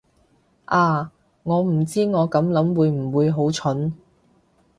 啊，我唔知我咁諗會唔會好蠢